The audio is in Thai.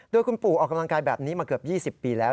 โดยคุณปู่ออกกำลังกายแบบนี้มาเกือบ๒๐ปีแล้ว